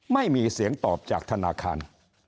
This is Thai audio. ไม่มีเสียงตอบจากธนาคาร